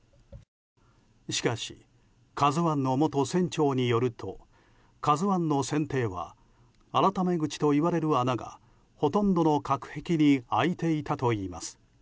しかし「ＫＡＺＵ１」の元船長によると「ＫＡＺＵ１」の船底は改口といわれる穴がほとんどの隔壁に開いていたといいます。